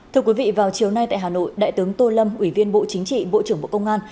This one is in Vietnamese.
thưa quý vị vào chiều nay tại hà nội đại tướng tô lâm ủy viên bộ chính trị bộ trưởng bộ công an